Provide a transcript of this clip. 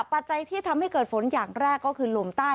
ปัจจัยที่ทำให้เกิดฝนอย่างแรกก็คือลมใต้